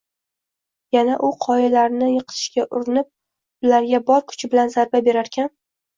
Yana u qoyalarni yiqitishga urinib, ularga bor kuchi bilan zarba berarkan